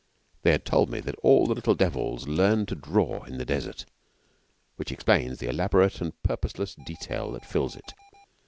They had told me that all the little devils learn to draw in the Desert, which explains the elaborate and purposeless detail that fills it.